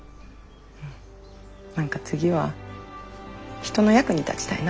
うん何か次は人の役に立ちたいな。